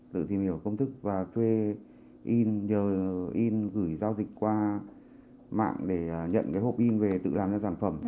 tự tìm hiểu công thức và thuê in nhờ in gửi giao dịch qua mạng để nhận cái hộp in về tự làm ra sản phẩm